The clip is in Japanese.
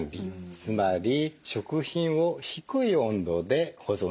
つまり食品を低い温度で保存する。